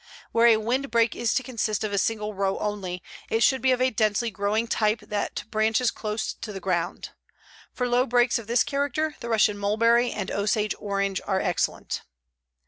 Where a windbreak is to consist of a single row only, it should be of a densely growing type that branches close to the ground. For low breaks of this character the Russian mulberry and Osage orange are excellent.